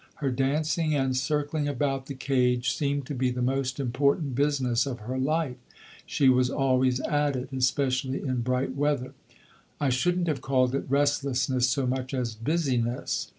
Her dancing and circling about the cage seemed to be the most important business of her life; she was always at it, especially in bright weather. I shouldn't have called it restlessness so much as busyness.